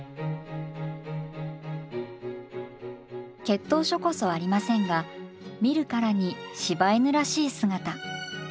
血統書こそありませんが見るからに柴犬らしい姿。